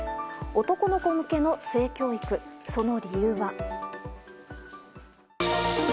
男の子向けの性教育その理由は。